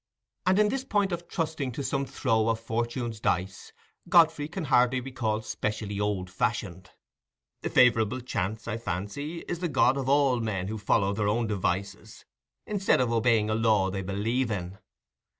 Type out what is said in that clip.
And in this point of trusting to some throw of fortune's dice, Godfrey can hardly be called specially old fashioned. Favourable Chance, I fancy, is the god of all men who follow their own devices instead of obeying a law they believe in.